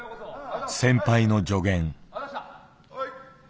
「先輩の助言」。